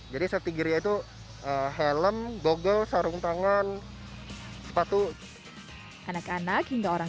jadi safety gear yaitu helm google sarung tangan sepatu anak anak hingga orang